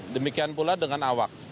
demikian pula dengan awak